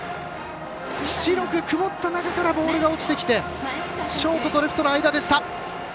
白く曇った中からボールが落ちてきてショートとレフトの間でした。